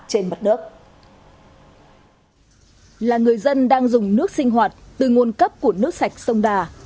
trên mặt nước là người dân đang dùng nước sinh hoạt từ nguồn cấp của nước sạch sông đà